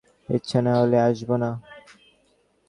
ইচ্ছে না হলে আসব না?